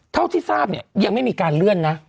เท่าที่ทราบเนี่ยยังไม่มีการเลื่อนนะ